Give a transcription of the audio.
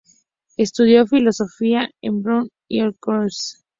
Estudió Filosofía en Brno y en Olomouc.